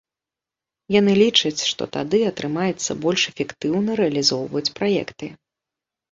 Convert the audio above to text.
Яны лічаць, што тады атрымаецца больш эфектыўна рэалізоўваць праекты.